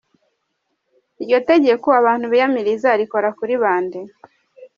Iryo tegeko abantu biyamiriza rikora kuri bande? .